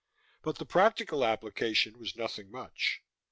But the practical application was nothing much.